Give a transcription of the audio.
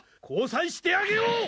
「交際してあげよう」